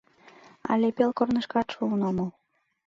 Але пел корнышкат шуын омыл!..